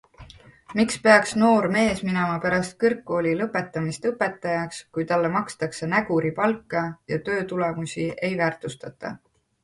Miks peaks noor mees minema pärast kõrgkooli lõpetamist õpetajaks, kui talle makstakse näguripalka ja töötulemusi ei väärtustata?